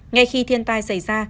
ngay khi thiên tai xảy ra